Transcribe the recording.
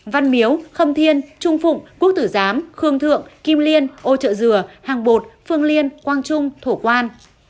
văn miếu khâm thiên trung phụng quốc tử giám khương thượng kim liên ô trợ dừa hàng bột phương liên quang trung thổ quan